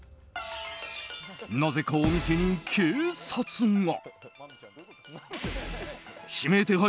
なぜか、お店に警察が。